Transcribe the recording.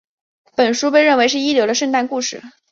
本书被认为是一流的圣诞故事。